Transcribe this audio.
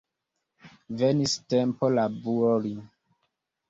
Venis tempo labori.